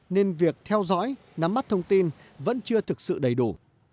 nên việc theo dõi nắm bắt thông tin vẫn chưa thực sự đầy đủ